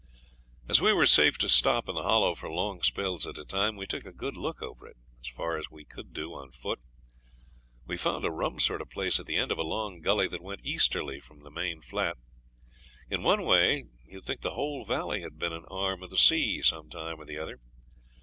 As we were safe to stop in the Hollow for long spells at a time we took a good look over it, as far as we could do on foot. We found a rum sort of place at the end of a long gully that went easterly from the main flat. In one way you'd think the whole valley had been an arm of the sea some time or other.